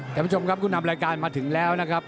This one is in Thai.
กลับมาชมครับกุ๊ดนำรายการมาถึงแล้วนะครับ